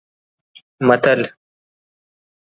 متل